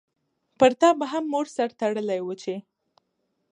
پرتا به هم مور سر تړلی وو چی